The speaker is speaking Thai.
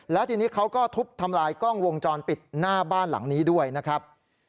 แล้วทีนี้เขาก็ทุบทำลายกล้องวงจรปิดหน้าบ้านหลังนี้ด้วยนะครับ